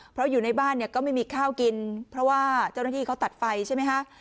เพราะอยู่ในบ้านเนี่ยก็ไม่มีข้าวกินเพราะว่าเจ้าหน้าที่เขาตัดไฟใช่ไหมคะ